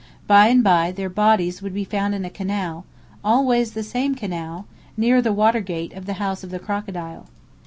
By and by their bodies would be found in a canal; always the same canal, near the water gate of the House of the Crocodile.